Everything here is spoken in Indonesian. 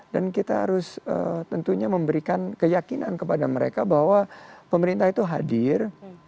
dan kita harus tentunya memberikan keyakinan kepada mereka bahwa pemerintah itu hadir